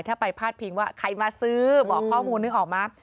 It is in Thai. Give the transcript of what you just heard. ถ้าไปพาดพิงว่าใครมาซื้อบอกข้อมูลนึกออกมา